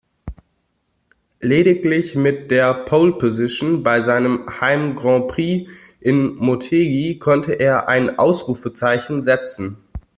Lediglich mit der Pole-Position bei seinem Heim-Grand-Prix in Motegi konnte er ein Ausrufezeichen setzen.